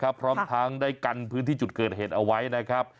พร้อมทั้งได้กันพื้นที่จุดเกิดเหตุเอาไว้นะครับ